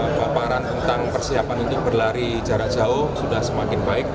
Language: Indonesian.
pemaparan tentang persiapan untuk berlari jarak jauh sudah semakin baik